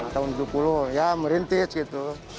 tahun tujuh puluh ya merintis gitu